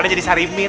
paling jadi sarimin